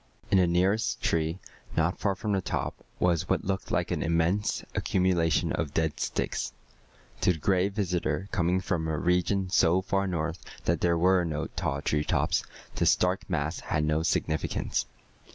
In the nearest tree, not far from the top, was what looked like an immense accumulation of dead sticks. To the Gray Visitor, coming from a region so far north that there were no tall treetops, this dark mass had no significance.